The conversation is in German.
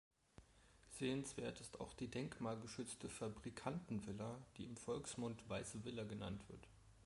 Sehenswert ist auch die denkmalgeschützte Fabrikantenvilla, die im Volksmund Weiße Villa genannt wird.